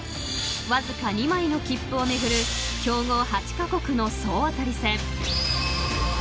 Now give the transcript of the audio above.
［わずか２枚の切符を巡る強豪８カ国の総当たり戦］